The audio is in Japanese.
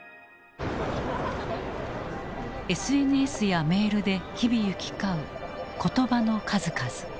ＳＮＳやメールで日々行き交う言葉の数々。